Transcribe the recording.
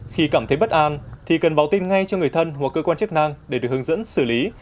khi cảm thấy bất an thì cần báo tin ngay cho người thân hoặc cơ quan chức năng để được hướng dẫn xử lý